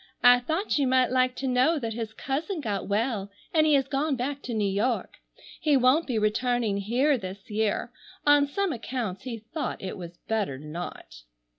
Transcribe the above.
I thought you might like to know that his cousin got well and he has gone back to New York. He won't be returning here this year. On some accounts he thought it was better not."